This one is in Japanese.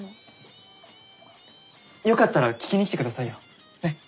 よかったら聴きに来て下さいよねっ。